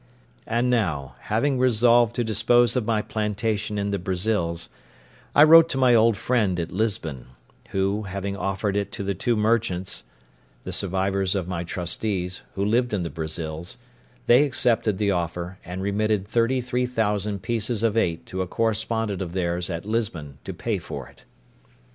And now, having resolved to dispose of my plantation in the Brazils, I wrote to my old friend at Lisbon, who, having offered it to the two merchants, the survivors of my trustees, who lived in the Brazils, they accepted the offer, and remitted thirty three thousand pieces of eight to a correspondent of theirs at Lisbon to pay for it.